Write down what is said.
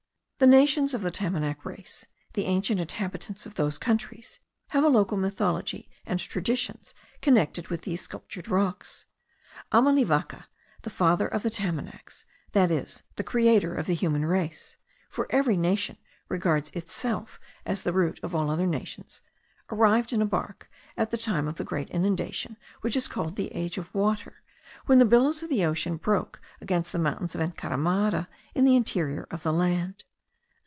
The nations of the Tamanac race, the ancient inhabitants of those countries, have a local mythology, and traditions connected with these sculptured rocks. Amalivaca, the father of the Tamanacs, that is, the creator of the human race (for every nation regards itself as the root of all other nations), arrived in a bark, at the time of the great inundation, which is called the age of water,* when the billows of the ocean broke against the mountains of Encaramada in the interior of the land.